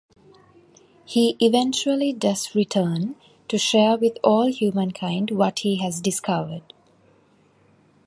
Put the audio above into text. He eventually does return, to share with all humankind what he has discovered.